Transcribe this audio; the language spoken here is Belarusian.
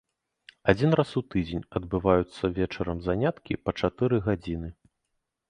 Адзін раз у тыдзень адбываюцца вечарам заняткі па чатыры гадзіны.